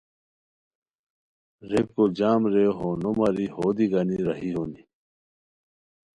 ریکو جم رے ہو نو ماری ہو دی گانی راہی ہونی